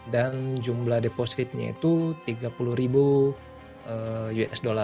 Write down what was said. dan jumlah depositnya itu tiga puluh usd